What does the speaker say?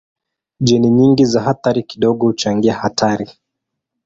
Jeni nyingi za athari kidogo huchangia hatari.